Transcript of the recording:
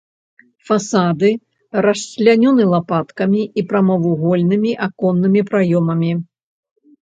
Фасады расчлянёны лапаткамі і прамавугольнымі аконнымі праёмамі.